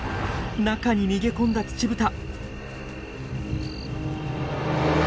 中に逃げ込んだツチブタ。